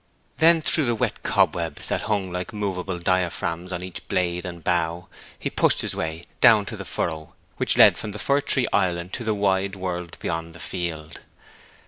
Then through the wet cobwebs, that hung like movable diaphragms on each blade and bough, he pushed his way down to the furrow which led from the secluded fir tree island to the wide world beyond the field.